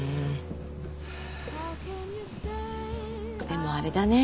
でもあれだね。